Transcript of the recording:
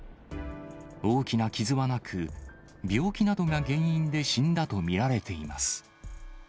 大きな傷はなく、病気などが原因で死んだと見られています。